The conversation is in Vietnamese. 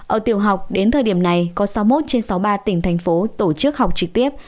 ở tiểu học đến thời điểm này có sáu mươi một trên sáu mươi ba tỉnh thành phố tổ chức học trực tiếp